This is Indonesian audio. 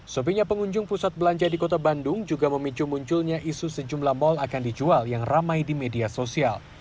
sopinya pengunjung pusat belanja di kota bandung juga memicu munculnya isu sejumlah mal akan dijual yang ramai di media sosial